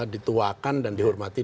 dituakan dan dihormati